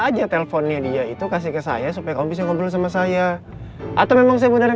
aja teleponnya dia itu kasih ke saya supaya kau bisa ngobrol sama saya atau memang saya beneran